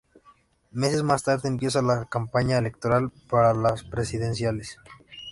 Meses más tarde empieza la campaña electoral para las presidenciales.